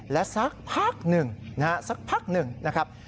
และสักพักหนึ่งนะฮะสักพักหนึ่งนะครับ